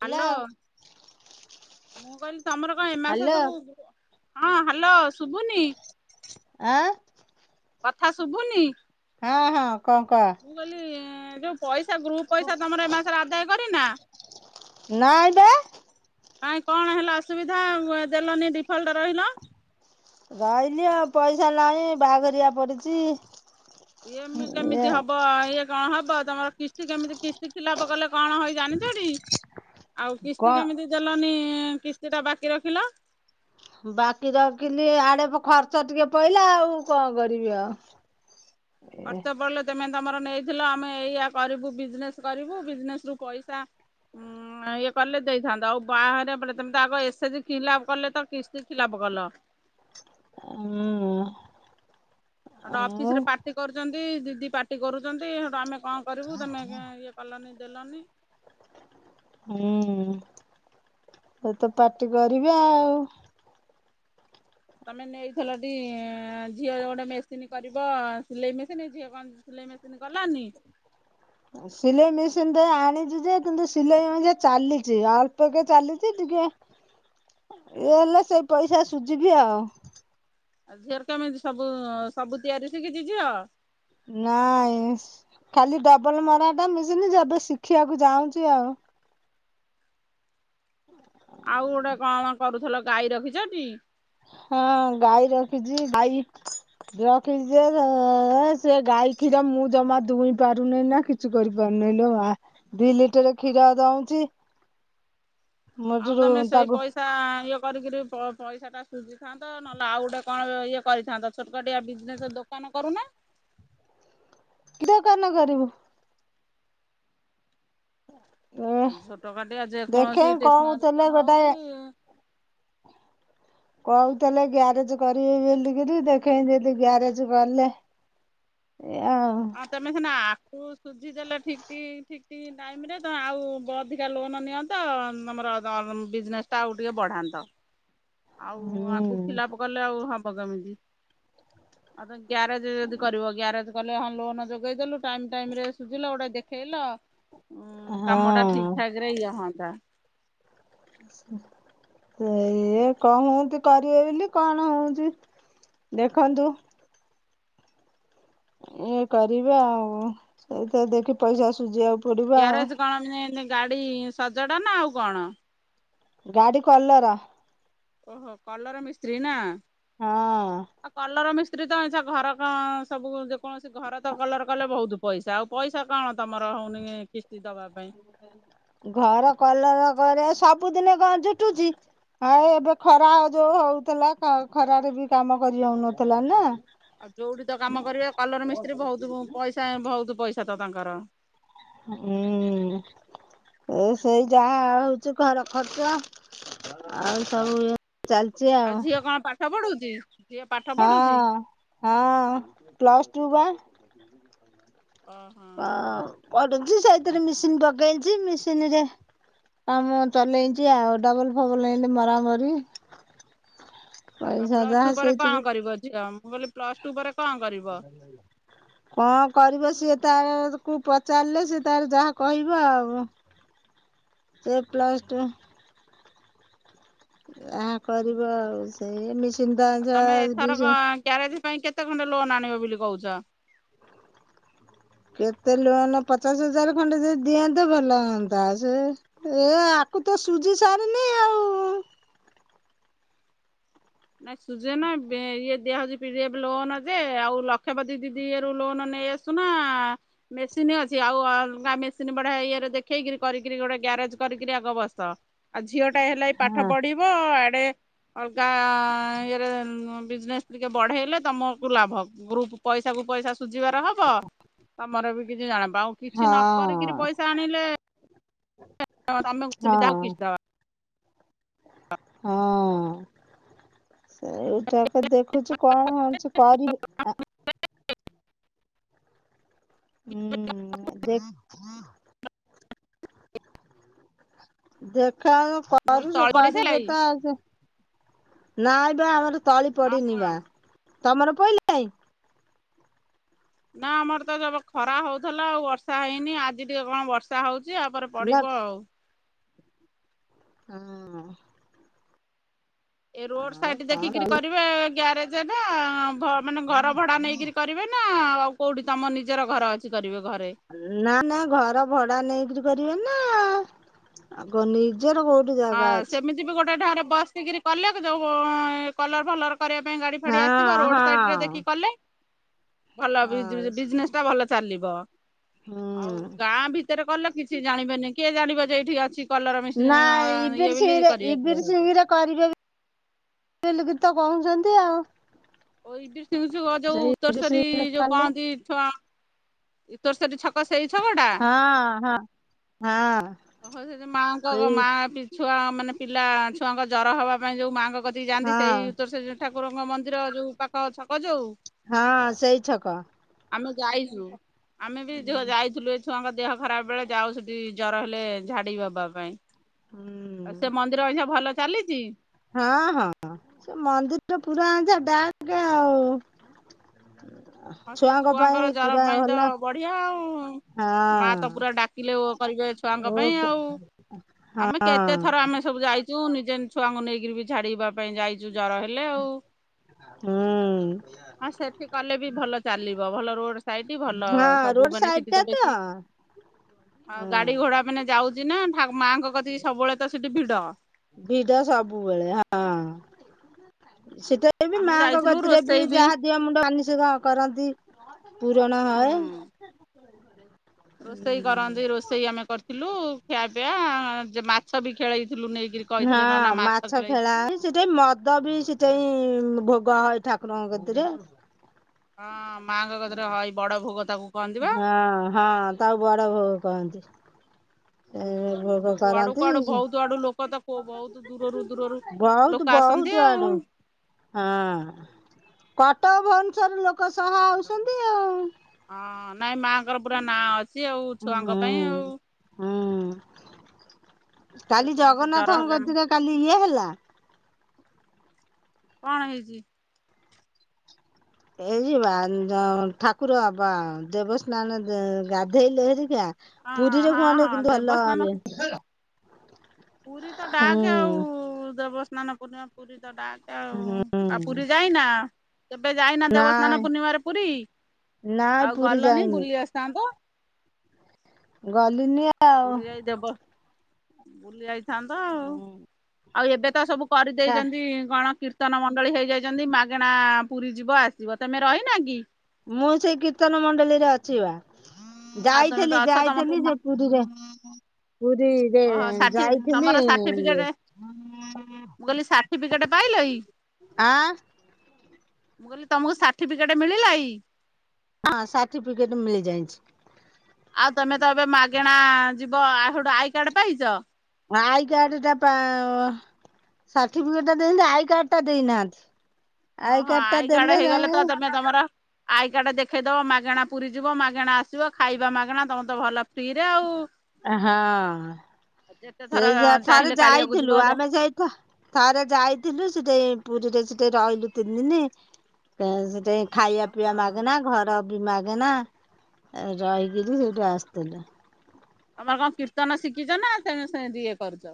Hello. Hello ମୁଁ କହିଲି ତମର କଣ ଏ ମାସ ହ୍ୟାଲୋ ସବୁ ହଁ ହାଲୋ ଶୁଭୁନି ଆଁ କଥା ଶୁଭୁନି ହଁ ହଁ କଣ କହ। ମୁଁ କହିଲି ଯୋଉ ପଇସା ଗ୍ରୁପ ପଇସା ତମର ଏ ମାସରେ ଆଦାୟ କରିନା ନାଇଁ ବେ କାଇଁ କଣ ହେଲା ଅସୁବିଧା ଦେଲନି ଡିଫଲ୍ଟ ରହିଲ? ରହିଲି ଆଉ ପଇସା ନାହିଁ ବାଘରିଆ ପଡ଼ିଚି ଏଇମି କେମିତି ହବ ଏ କଣ ହବ ତମର କିସ୍ତି କେମିତି କିସ୍ତି ଖିଲାପ କଲେ କଣ ହଇ ଜାଣିଛକଣ ହବ ତମର କିସ୍ତି କେମିତି କିସ୍ତି ଖିଲାପ କଲେ କଣ ହଇ ଜାଣିଚ ଟି ଆଉ କିସ୍ତି କଣ କେମିତି ଦେଲନି କିସ୍ତି ଟା ବାକି ରଖିଲ? ବାକି ରଖିଲି ଆଡେ ଖର୍ଚ୍ଚ ଟିକେ ପଇଲା ଆଉ କଣ କରିବି ଆଉ? ଖର୍ଚ୍ଚ ପଡିଲେ ତମେ ତମର ନେଇଥିଲ ଆମେ ଏଇଆ କରିବୁ ବିଜନେସ କରିବୁ ବିଜନେସ ରୁ ପଇସା ଉଁ ଇଏ କଲେ ଦେଇଥାନ୍ତ ଆଉ ବାହାରେ ବଲେ ତମିତି ଆଗ ଏସଏଜି ଖିଲାପ କଲେ ତ କିସ୍ତି ଖିଲା କଲ। ମୁଁ। ଟା ଅଫିସ ରେ ପାର୍ଟି କରୁଛନ୍ତି ଦିଦି ପାର୍ଟି କରୁଛନ୍ତି ସେଟୁ ଆମେ କଣ କରିବୁ ତମେ ଇଏ ପଲନୀ ଦେଲନି ହୁଁ। ଏ ତ ପାର୍ଟି କରି ଆଉ ତମେ ନେଇଥିଲଟି ଝିଅ ଗୋଟେ ମେସିନ୍ କରିବ ସିଲେଇ ମେସିନ୍ ଝିଅ କଣ ସିଲେଇ ମେସିନ୍ ଗଲାନି? ସିଲେଇ ମେସିନ୍ ଟେ ଆଣିଚି ଯେ କିନ୍ତୁ ସିଲେଇ ମେସିନ୍ ଚାଲିଛି ଅଳ୍ପ କେ ଚାଲିଛି ଟିକେ [unintelligible] ଇଏ ହେଲେ ସେଇ ପଇସା ସୁଝିଦି। ଆଉ ଝିଅର କେମିତି ସବୁ ସବୁ ତିଆରି ଶିକିଚି ଝିଅ? ନାଇଁ ଖାଲି ଡବଲ ମରା ଟା ମିଶିନି ଏବେ ଶିଖିବାକୁ ଯାଉଚି ଆଉ। ହୁଁ ଆଉ ଗୋଟେ କଣ କରୁଥିଲ ଗାଈ ରଖିଚ ଟି? ହଁ ଗାଈ ରଖିଚି ଗାଈ ରଖିଚି ଯେ ଏ ସେ ଗାଈ କ୍ଷୀର ମୁଁ ଜମା ଦୁଇଁ ପାରୁନି ନାଁ କି ଛି କରିପାରୁନେଇ ଲୋ ଆ ଦି ଲିଟର୍ କ୍ଷୀର ଦଉଚି। ଆଉ ତମେ ସେଇ ତାକୁ ପଇସା ଇଏ କରିକିରି ପ ପଇସାଟା ସୁଜିଥାନ୍ତ ନଲେ ଆଉ ଗୋଟେ କଣ ଇଏ କରିଥାନ୍ତ ଛୋଟ କାଟିଆ ବିଜନେସ୍ ଦୋ କାନ କରୁନା। କି ଦୋକାନ କରିବୁ? ଏ ଛୋଟକାଟିଆ ଦେଖେ ଯେକୌଣସି ଟେସନାରୀ କହୁଥିଲେ ଦୋକାନ ହଉ ଗୋଟେ କି କହୁଥିଲେ ଗ୍ୟାରେଜ କରିବି ବେଲିକରି ଦେଖେଇ ଯଦି ଗ୍ୟାରେଜ ଗଲେ ଏଇଆ। ଆଉ ତମେ ସିନା ଆକୁ ସୁଝିଦେଲେ ଠିକି ଠିକି ଟାଇମ ରେ ତ ଆଉ ବ ଅଧିକା ଲୋନ ନିଅ ତ ତମର ଅ ବିଜନେସ୍ ଟା ଆଉ ଟିକେ ବଢ଼ାନ୍ତ। ଆଉ ଆକୁ ହୁଁ ଖିଲାପ କଲେ ଆଉ ହବ କେମିତି? ଆଉ ତ ଗ୍ୟାରେଜ ଯଦି କରିବ ଗ୍ୟାରେଜ ଗଲେ ହଁ ଲୋନ ଯୋଗେଇଦଲୁ ଟାଇମ୍ ଟାଇମ୍ ରେ ସୁଝିଲ ଗୋଟେ ଦେଖେଇଲ ଉଁ କାମଟା ଠିକ୍ ହଁ ଠାକ୍ ରେ ଇଏ ହୁଅନ୍ତା। ସେ ଇଏ କହୁନ୍ତି କରିବେ ବିଲି କଣ ହଉଚି ଦେଖନ୍ତୁ। ଇଏ କରିବେ ଆଉ ସୁଇଥା ଦେଖି ପଇସା ସୁଝିଆଉ ଗ୍ୟାରେଜ କଣ ମିନେ ନେ ଗାଡ଼ି ସଜଡ଼ା ନା ଆଉ କଣ? ଗାଡ଼ି କଲର। ଓହୋ କଲର ମିସ୍ତ୍ରୀ ନା ହଁ ଆ କଲର ମିସ୍ ସେଥିରେ ତ ଘର କ ସବୁ ଯେକୌଣସି ଘର ତ କଲର କଲେ ବହୁତ ପଇସା, ଆଉ ପଇସା [unintelligible] କଣ ତମର ହଉନି କିସ୍ତି ଦବା ପାଇଁ? ଘର କଲର କରିବା ସବୁଦିନେ କଣ ଝୁଟୁଛି ଆ ଏବେ ଖରା ଯୋଉ ହଉଥିଲା ଖରାରେ ବି କାମ କରି ହୋଉନଥିଲା ନା। ଆଉ ଯୋଉଠି ତ କାମ କରିବେ କଲର ମିସ୍ତ୍ରୀ ବୋହୁତ ପଇସା ବୋହୁତ ପଇସା ତ ତାଙ୍କର। ହୁଁ ସେଇ ଯାହା ହଉଛି ଘର ଖର୍ଚ୍ଚ। ଆଉ ସବୁ [unintelligible] ଆଉ ଝିଅ କଣ ପାଠ ପଢୁଚି? ହଁ ହଁ ପ୍ଲସ୍ ଟୁ ବା। ଓହୋ। ହଁ ପୁଛି ସେଇଥିରେ ମେସିନ ପକେଇଚି, ମେସିନ ରେ କାମ ଚଲେଇଛି ଆଉ ଡବଲ ଫବଲ ହେଇ ମରାମରି। ଆଉ ପଇସା ପ୍ଲସ ଯାହା ଟୁ ପରେ ସେଇଥିରେ କଣ କରିବ ଝିଅ ମୁଁ କହିଲି ପ୍ଲସ ଟୁ ପରେ କଣ କରିବ? କଣ କରିବ ସିଏ ତାକୁ ପଚାରିଲେ ସିଏ ତାର ଯାହା କହିବ ଆଉ। ହ ସେ ପ୍ଲସ୍ ଟୁ। ଏହା କରିବ ଆଉ ସେଇ ମସିିନ୍ତା କ୍ୟାରେଜ ପାଇଁ କେତେ ଖଣ୍ଡେ ଲୋନ ଆଣିବ ବୋଲି କହୁଛ? କେତେ ଲୋନ ପଚାଶ ହଜାର ଖଣ୍ଡେ ଯଦ ଦିଅନ୍ତେ ଭଲ ହୁଅନ୍ତା। ଏ ଆକୁ ତ ସୁଝି ସାରିନି ଆଉ। ନାଇଁ ସୁଜେ ନା ଇଏ ଦିଆହଉଛି ପିରି ଲୋନ ଯେ ଆଉ ଲକ୍ଷପତି ଦିଦି ଇରୁ ଲୋନ ନେଇ ଆସି। ସୁମ ମେସିନ୍ ଅଛି ଆଉ ଅଲଗା ମେସିନ ବଆ ଇରେ ଦେଖେଇକ କର ଗୋଟେ ଗାରେଜ କରିକରି ଆଗ ବସ। ଆଉ ଝିଅ ଟା ହେଲେ ଏ ପାଠ ହଁ। ପଢିବ ଆଡେ ଅଲଗା ବିଜନେସ ଟିକେ ବଢେଇଲେ ତମକୁ ଲାଭ ଗ୍ରୁପ୍ ପଇସା କୁ ପଇସା ସୁଝିବାର ହବ ତମର ବି କିଛି ଜାଣିବା ଆଉ କିଛି ହଁ ନ କରିକିରି ପଇସା ଆଣିଲେ ତମକୁ ହଁ ସୁବିଧା କିଛି ଦବା। ହଁ ସେଇଠାକ ଦେଖୁଛି କଣ ହଉଛି କରିବି ହଁ। ହୁଁ ଦେଖ ଦେଖା ମୁଁ କହିଲି କରୁଛୁ ତଳି ପଡି କରିବେ ସାରିଲାଣି ତ ନାଇବେ ଆମର ତଳି ହଁ ପଡିନି ହଁ ବା ତ [unintelligible] ନା ଆମର ତବ ଖରା ହଉଥିଲା ଆଉ ବର୍ଷା ହେଇନି ଆଜି ଟିକେ କଣ ବର୍ଷା ହଉଛି ଆପରେ ନା ପଡିବ ଆଉ। ହଁ। ଏ ରୋଡ ଆଉ ସାଇଡ କଣ ଦେଖିକିରି କରିବେ ଗ୍ୟାରେଜ। ଜଗା ମାନେ ଘର ଭଡ଼ା ନେଇକରି କରିବେ ନା ଆଉ କୋଉଠି ତମ ନିଜର ଘର ଅଛି କରିବେ ଘରେ। ନା ନା ଘର ଭଡା ନେଇକିରି କରିବେ ନା ଆ ନିଜର କୋଉ ହଁ ସେମିତି ବି ଗୋଟେ ଢାରେ ବସିକରି କଲେ ଯୋଉ କଲର ଭଲର କରିବା ପାଇଁ ଗାଡି ଫାଡି ଆସିବ ହଁ ରୋଡ ସାଇଡ ରେ ହଁ ଦେଖି କଲେ ଭଲ ହଁ [unintelligible] ଭଲ ଚାଲିବ ଆଉ ହୁଁ ଗାଁ ଭିତରେ କଲେ କିଛି ଜାଣିବେନି କିଏ ଜାଣିବ ଯେ ଏଇଠି ଅଛି କଲର ମିସି ହଁ [unintelligible] କରିବେ [unintelligible] କଣ ଚାଛନ୍ତି ଆଉ। ଓ ଇଡିପ ସଂହ ଯୋଉ ସେଇ ଇବିର ଉତ୍ତରସରୀ ସିଂରେ ଯୋଉ କଲେ କହନ୍ତି [unintelligible] ତୋର ସେଇ ଛକ ଛକଟା? ହଁ ହଁ। ହଁ [unintelligible] ସେଇ ଛୁଆ ମାନେ ପିଲା ଛୁଆଙ୍କ ଜର ହବା ପାଇଁ ଯେଉଁ ମାଆଙ୍କ କରିକି ଯାଆନ୍ତି ହଁ ସେଇ ଉତ୍ତର ଠାକୁରଙ୍କ ମନ୍ଦିର ଯୋଉ ପାଖ ଛକ ଯୋଉ। ହଁ ସେଇ ଛକ। ଆମେ ଯାଇଛୁ ଆମେ ବି ଝିଅ ଯାଇଥିଲୁ ଛୁଆଙ୍କ ଦେହ ଖରାପ ବେଳେ ଯାଉ ସେଠି ଜର ହେଲେ ଝାଡି ବବା ପାଇଁ। ହୁଁ ଆଉ ସେ ମନ୍ଦିର [unintelligible] ଭଲ ଚାଲିଛି। ହଁ ହଁ ସେ ମନ୍ଦିର ପୁରା ଆ ଡାକେ ଆଉ। ହଁ ସେ ଛୁଆଙ୍କ ପାଇଁ ଛୁଆଙ୍କର ଜର ପୁରା ପାଇଁ ଭଲ ତ ବଢିଆ ଆଉ। ହଁ ମା ତ ପୁରା ଡାକିଲେ ଓ କରିବେ ଛୁଆଙ୍କ ଓ ପାଇଁ ହଁ। ଆଉ ଆମେ କେତେ ଥର ଆମେ ସବୁ ଯାଇଛୁ ନିଜେ ଛୁଆଙ୍କୁ ନେଇକିରି ବି ଝାଡିବା ପାଇଁ ଯାଇଛୁ ଜର ହେଲେ ଆଉ। ହୁଁ। ହଁ ସେଠି କଲେ ବି ଭଲ ଚାଲିବ ଭଲ ରୋଡ ସାଇଟି ଭଲ ହଁ ସବୁ ରୋଡ ମାନେ ସାଇଡ ସେଠି ଟା ତ ବେଶୀ ଆଉ ହଁ। ଗାଡି ଘୋଡା ମାନେ ଯାଉଛି ନା ମାଆଙ୍କ କତିିକି ସବୁବେଳେ ତ ସେଠି ଭିଡ। ଭିଡ ସବୁବେଳେ ହଁ ସେଟା ଏ ବି ଆମେ ମାଆଙ୍କ ଯାଇଥିଲୁ କତିରେ ରୋଷେଇ ବି ଯାହା ଡିଆ ମୁଣ୍ଡ ଆନିଷଧ କରନ୍ତି ପୁୁରଣ ହୁଁ। ହଏ। ରୋଷେଇ କରନ୍ତି ରୋଷେଇ ଆମେ କରିଥିଲୁ ଖିଆ ପିଆ ମା ମାଛ ବି ଖେଳେଇଥିଲୁ ନେଇକିରି କହିଥିଲେ ନନା ମାଛ ଖେଳେଇଥିଲୁ। ଦ ବି ସେଠାଇଁ ଭୋଗ ହଏ ଠାକୁରଙ୍କତିରେ। ହଁ ମାଙ୍କ କତିରେ ହ ବଡ ଭୋଗ ତାକୁ କହନ୍ତି ବା। ହଁ ହଁ ତାଉ ବଡ ଭୋଗ କହନ୍ତି। ହୁଁ। ଏ ଭୋଗ ହୁଁ କୁଆଡୁ କରନ୍ତି କୁଆଡୁ ବହୁତ ଆଡୁ ଲୋକ ତ ବହୁତ ଦୂରରୁ ଦୂରରୁ ବହୁତ ଲୋକ ବହୁତ ଆସନ୍ତି ଆଡୁ ଆଉ। ହଁ କଟକ ଭୁବନେଶ୍ୱର ଲୋକ ସହ ଆଉଛନ୍ତି ଆଉ। ହଁ ନାଇଁ ମାଆଙ୍କର ପୁରା ନାଁ ଅଛି ଆଉ ଛୁଆଙ୍କ ହୁଁ। ପାଇଁ ଆଉ। ହୁଁ କାଲି ଯେକୌଣସି ଜର ଜଗନ୍ନାଥଙ୍କ ହେଲେ କତିରେ କାଲି ଇଏ ହେଲା। କଣ ହେଇଛି? ଏଇ ବା ଠାକୁର ବା ଦେବସ୍ନାନ ଗାଧେଇଲେ ହେରିକା। ହଁ ପୁରୀ ରେ ହଁ ହଁ କୁହନ୍ତି ଭଲ ଦେବସ୍ନାନ ହୁଏ। ପୁରୀ ତ ଡାକ ଆଉ, ହୁଁ ଦେବସ୍ନାନ ପୂର୍ଣ୍ଣିମା ପୁରୀ ତ ଡାକ। ଆଉ ଆଉ ହୁଁ। ପୁରୀ ଯାଇନା କେବେ ଯାଇନା ନାଇଁ ଦେବସ୍ନାନ ପୂର୍ଣ୍ଣିମାରେ ପୁରୀ? ନାଇଁ ଆଉ ପୁରୀ ଗଲନି ଯାଇନି ବୁଲି ଆସିଥାନ୍ତ। ଗଲିନି ଆ ପୁରୀ ଯାଇ ଦେବ ବୁଲି ଯାଇଥାନ୍ତ ଆଉ ଆଉ ଏବେ ତ ସବୁ କରିଦେଇଛନ୍ତି ଗଣ କୀର୍ତ୍ତି କୀର୍ତ୍ତନ ମଣ୍ଡଳୀ ହେଇଯାଇଛନ୍ତି ମାଗେଣା ପୁରୀ ଯିବ ଆସିବ ତମେ ରହିନା କି? ମୁଁ ସେଇ କୀର୍ତ୍ତନ ମଣ୍ଡଳୀରେ ଅଛି ବା। ଆଉ ତମେ ଯାଇଥିଲି ତ ଅଛ ତମର ତ ଯାଇଥିଲି ମା ଯେ ପୁରୀରେ ପୁରୀ ରେ ଓହୋ ଷାଠି ଯାଇଥିଲି ତମର ଇଏ ସାର୍ଟିଫିକେଟ ମୁଁ କହିଲି ସାର୍ଟିଫିକେଟ ପାଇଲ ଇ। ଆଁ। ମୁଁ କହିଲି ତମକୁ ସାର୍ଟିଫିକେଟ ମିଳିଲା ଇ। ହଁ ସାର୍ଟିଫିକେଟ ମିଳିଯାଇଛି। ଆଉ ତମେ ତ ଏବେ ମାଗେଣା ଯିବ ଆ ହେଠୁ ଆଇ କାର୍ଡ ପାଇଚ? ଆଇ କାର୍ଡଟା ପା ସାଠୀଫିକେଟ ଦେଇଛନ୍ତି ଆଇ କାର୍ଡଟା ଦେଇନାହାନ୍ତି। ଓହୋ ଟା ଆଇ ଦେଲେ କାର୍ଡ ଯାଇ ହେଇଗଲେ ତ ହଁ ତମେ ତମର ଆଇ କାର୍ଡ ଦେଖେଇଦବ ମାଗଣା ପୁରୀ ଯିବ ମାଗଣା ଆସିବ ଖାଇବା ମାଗଣା ତମେ ତ ଭଲ ଫ୍ରିରେ ଆଉ। ହଁ ଯେତେ ଥର ସେଇ ଯା ଥରେ ଚାହିଁଲେ କାଳିଆକୁ ଯାଇଥିଲୁ ଆମେ ଯା ଥରେ ଯାଇଥିଲୁ ସେଠି ପୁରୀରେ ସେଠି ରହିଲୁ ତିନି ଦିନି [unintelligible] ଖାଇବା ପିଇବା ଯିବ। ମାଗେନା ଘର ବି ମାଗେନା ରହିକିରି ସେଇଠୁ ଆସିଥିଲୁ। ତମର କଣ କୀର୍ତ୍ତନ ଶିଖିଚ ନା ତମେ ସେମିତି ଇଏ କରୁଚ?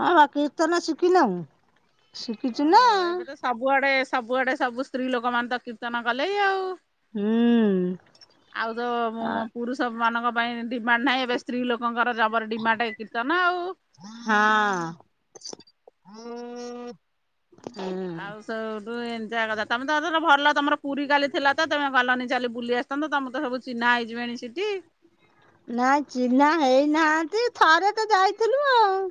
ହଁ ବା କୀର୍ତ୍ତନା ଶିଖିନାଇଁ ଶିଖିଚି ନା। ଓହୋ ଏବେ ତ ସବୁଆଡେ ସବୁଆଡେ ସବୁ ସ୍ତ୍ରୀ ଲୋକମାନେ ତ କୀର୍ତ୍ତନ କଲେଇ ଆଉ। ହୁଁ। ଆଉ ତ ଅ ପୁରୁଷମାନଙ୍କ ପାଇଁ ଡିମାଣ୍ଡ ନାହିଁ ଏବେ ସ୍ତ୍ରୀ ଲୋକଙ୍କର ଜବର ଡିମାଣ୍ଡ କୀର୍ତ୍ତନ ଆଉ। ହଁ। ହୁଁ ଆଉ ସୋଉଠୁ ଏମତିଆ କଥା ତମେ ତ ଭଲ ତମର ପୁରୀ କାଲି ଥିଲା ତ ତମେ ଗଲନି ଚାଲି ବୁଲି ଆସିଥାନ୍ତ ତମର ତ ସବୁ ଚିହ୍ନା ହେଇଯିବେଣି ସେଠି। ନା ଚିହ୍ନା ହେଇନାହାନ୍ତି ଥରେ ତ ଯାଇଥିଲୁ ଆଉ।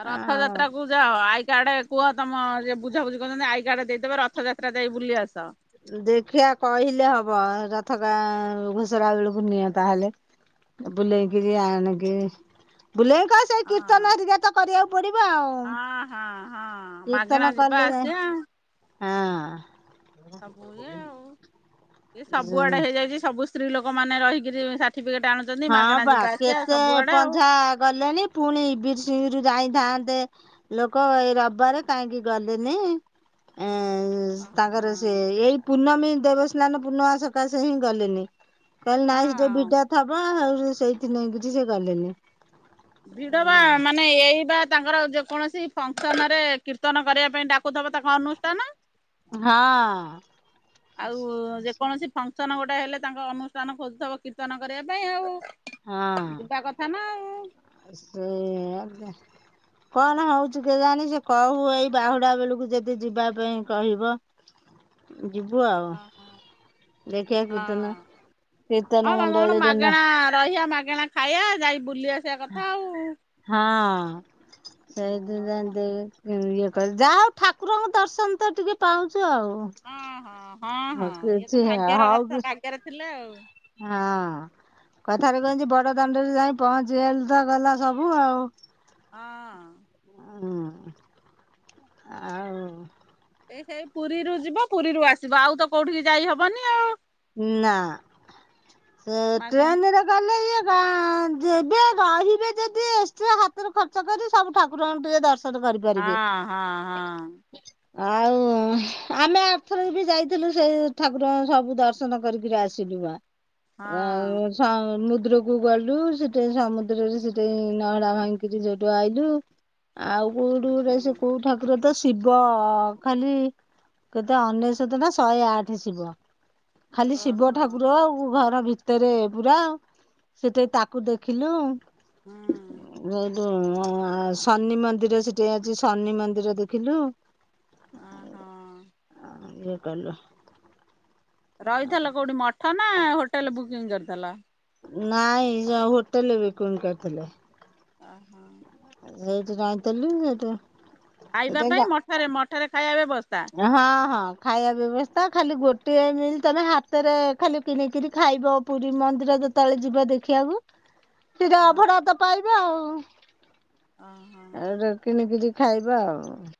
ଆଉ ରଥଯାତ୍ରାକୁ ଯାଅ ଆଇ କାର୍ଡ କୁହ ତମ ଯିଏ ବୁଝାବୁଝି କରୁଚନ୍ତି ଆଇ କାର୍ଡ ଦେଇଦେବେ ରଥଯାତ୍ରା ଯାଇ ବୁଲି ଆସ। ଦେଖିଆ କହିଲେ ହବ ରଥକା ଘୋଷରା ବେଳକୁ ନିଅନ୍ତା ହେଲେ। ବୁଲେଇ କିିରି ଆଣ କି ବୁଲେଇ କ ସେ ହଁ କୀର୍ତ୍ତନ ହେରିକା ତ କରିବାକୁ ପଡିବ ଆଉ। ହଁ ହଁ ହଁ ମାଗଣା କୀର୍ତ୍ତନ ଯିବା କଲେ ଯାଇ ଆସିବା। ହଁ। ସବୁ ଇଏ ଆଉ। ଇ ହଁ। ସବୁଆଡେ ହେଇଯାଇଚି ସବୁ ସ୍ତ୍ରୀ ଲୋକମାନେ ରହିକିରି ସାର୍ଟିଫିକେଟ ଆଣୁ ହଁ ବା କେତେ ପଞ୍ଝା ଗଲେଣି ପୁଣି ବିରସିଂରୁ ଯାଇଥାନ୍ତେ ଲୋକ ଏଇ ରବିବାରେ କାହିଁକି ଗଲେନି। ଏଁ [inaudible] ତାଙ୍କର ସେ ଏଇ ପୂର୍ଣ୍ଣମୀ ଦେବସ୍ନାନ ପୂର୍ଣ୍ଣମା ସକାଶେ ହିଁ ଗଲେନି। କହିଲେ ହଁ ନାଇଁ ସେ ଯୋ ଭିଡ ଥବ ଆଉ ସେଇଥିନାଗି କିଛି ସେ ଗଲେନି। ଭିଡ ବା ମା ନେ ଏଇ ବା ତାଙ୍କର ଯେକୌଣସି ଫଙ୍କସନରେ କୀର୍ତ୍ତନ କରିବା ପାଇଁ ଡାକୁଥିବ ତାଙ୍କ ଅନୁଷ୍ଠାନ। ହଁ। ଆଉ ଯେକୌଣସି ଫଙ୍କସନ ଗୋଟେ ହେଲେ ତାଙ୍କ ଅନୁଷ୍ଠାନ ଖୋଜୁଥିବ କୀର୍ତ୍ତନ କରିବା ପାଇଁ ଆଉ। ଯିବା କଥା ନା ଆଉ। ସେଇଆ ଯେ। କଣ ହଉଚି କେଜାଣି ସେ କହୁ ଏଇ ବାହୁଡା ବେଳକୁ ଯଦି ଯିବା ପାଇଁ କହିବ। ଯିବୁ ଆଉ ହଁ ଦେଖିବା ହଁ କୀର୍ତ୍ତନ କୀର୍ତ୍ତନ ହଁ ମ [unintelligible] ମଣ୍ଡଳୀରେ ନା ମାଗଣା ରହିବା ମାଗଣା ଖାଇବା ଯାଇ ବୁଲିବାସିବା କଥା ଆଉ। ହଁ ସେଇ ଦେ [unintelligible] ଇଏ କ ଯାହା ହଉ ଠାକୁରଙ୍କୁ ଦର୍ଶନ ତ ଟିକେ ପାଉଚୁ ଆଉ। ହଁ ହଁ ହଁ ହଁ ହଉ ଇଏ ତ କିଛି ଭାଗ୍ୟର ହଉ କି କଥା ଭାଗ୍ୟରେ ଥିଲେ ଆଉ। ହଁ। କଥାରେ କଇଚି ବଡ ଦାଣ୍ଡରେ ଯାଇ ପହଞ୍ଚିଗଲୁ ତ ଗଲା ସବୁ ଆଉ। ହଁ। ଆଉ। ଏ ସେଇ ପୁରୀରୁ ଯିବ ପୁରୀରୁ ଆସିବ ଆଉ ତ କୋଉଠିକି ଯାଇ ହବନି ଆଉ। ନା ମାଗେ ଟ୍ରେନରେ ଗଲେ ଇଏ ଗାଁ ଯିବେ ରହିବେ ଯଦି ଏକ୍ସଟ୍ରା ହାତରୁ ଖର୍ଚ୍ଚ କରି ସବୁ ଠାକୁରଙ୍କୁ ଟିକେ ଦର୍ଶ ନ ହଁ କରିପାରିବେ। ହଁ ହଁ ଆଉ ଆମେ ଆରଥର ବି ଯାଇଥିଲୁ ସେଇ ଠାକୁରଙ୍କ ସବୁ ଦର୍ଶ ନ କରିକରି ଆସିଲୁ ବା ଆଉ ହଁ ସମୁଦ୍ରକୁ ଗଲୁ ସେଠି ସମୁଦ୍ରରେ ସେଠି ନହଡା ଭାଙ୍ଗିକିରି ସେଇଠୁ ଆଇଲୁ। ଆଉ କୋଉଠୁ ରେ ସେ ହୁଁ କୋଉ ଠାକୁର ତ ଶିବ ଖାଲି କେତେ ଅନେଶୋତ ନା ଶହେ ଆଠ ଶିବ। ଖାଲି ଶିବ ଓହୋ ଠାକୁର ଆଉ ଘର ଭିତ ତରେ ପୁରା ସେଠି ତାକୁ ଦେଖିଲୁ। ହଁ ଉ ଆ ଶନି ମନ୍ଦିର ସେଠି ଅଛି ଶନି ମନ୍ଦିର ଦେଖିଲୁ ଓହୋ ହ ଇଏ କଲୁ ରହିଥିଲ କୋଉଠି ମଠ ନା ହୋଟେଲ ବୁକିଂ କରିଥିଲ ନାଇଁ ଯ ହୋଟେଲ ବିକିଙ୍ଗୁ କରିଥିଲେ ଓହୋ ସେଇଠି ଜାଇଁଥିଲୁ ସେଇଠୁ ଖାଇବା ସେଟା ପାଇଁ ମଠାରେ ମଠାରେ ଖାଇବା ବ୍ୟବସ୍ଥା ହଁ ହଁ ଖାଇବା ବ୍ୟବସ୍ଥା ଖାଲି ଗୋଟିଏ ମିଲ୍ ତମେ ହାତରେ ଖାଲି କିଣିକିରି ଖାଇବ ପୁରୀ ମନ୍ଦିର ଯେତେବେଳେ ଯିବ ଦେଖିବାକୁ ସେଇଠି ଅଭଡା ତ ପାଇବେ ଆଉ ଓହୋ ରେ କିଣିକିରି ଖାଇବା ଆଉ